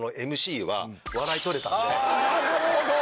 あなるほど。